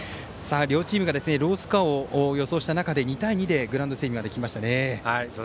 両チームがロースコアを予想した中で２対２でグラウンド整備まで来ましたね。